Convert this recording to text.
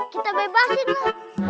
kita bebasin loh